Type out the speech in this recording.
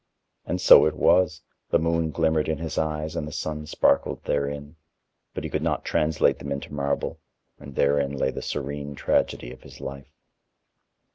And so it was: the moon glimmered in his eyes and the sun sparkled therein. But he could not translate them into marble and therein lay the serene tragedy of his life.